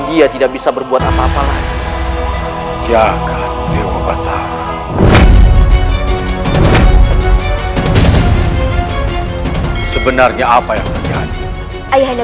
dia tidak bisa berbuat apa apa lagi jaga sebenarnya apa yang terjadi ayahnya